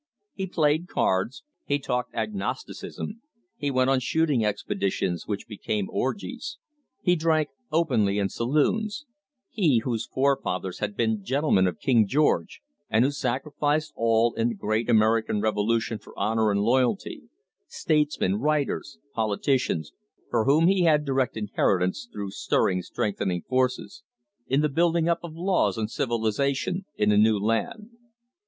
He played cards, he talked agnosticism, he went on shooting expeditions which became orgies, he drank openly in saloons, he whose forefathers had been gentlemen of King George, and who sacrificed all in the great American revolution for honour and loyalty statesmen, writers, politicians, from whom he had direct inheritance, through stirring, strengthening forces, in the building up of laws and civilisation in a new land.